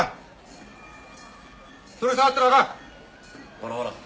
ほらほら！